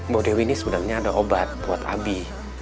bu dewi ini sebenarnya ada obat buat abi